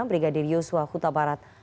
brigadir yusuf kutabarat